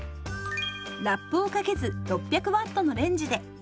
ラップをかけず６００Ｗのレンジで。